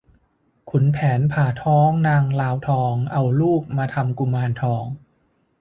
ขุนแผนผ่าท้องนางลาวทอง เอาลูกมาทำกุมารทอง